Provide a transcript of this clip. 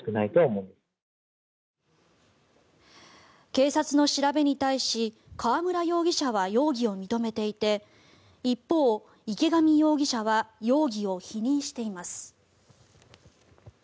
警察の調べに対し川村容疑者は容疑を認めていて一方、池上容疑者は容疑を否認しています。